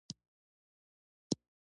د غزني ولایت د اسلامي تمدن پاېتخت ده